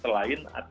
jadi sudah ada alasan